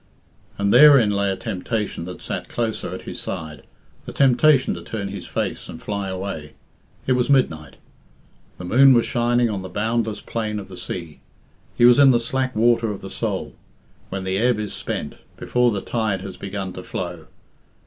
And therein lay a temptation that sat closer at his side the temptation to turn his face and fly away. It was midnight. The moon was shining on the boundless plain of the sea. He was in the slack water of the soul, when the ebb is spent, before the tide has begun to flow.